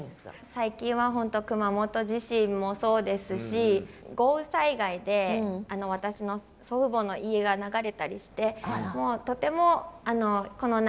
最近は本当熊本地震もそうですし豪雨災害で私の祖父母の家が流れたりしてとてもこの７年間ぐらいですね